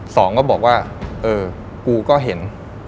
สองก็บอกว่าเออกูก็เห็น